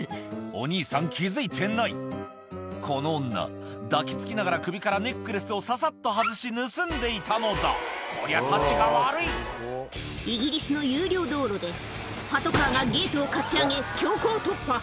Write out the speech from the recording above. お兄さん気付いてないこの女抱き付きながら首からネックレスをササっと外し盗んでいたのだこりゃたちが悪いイギリスの有料道路でパトカーがゲートをかち上げ強行突破